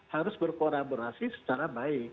harus berkoraborasi secara baik